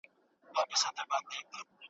احتکار د ټولنې اقتصاد له جرړو باسي.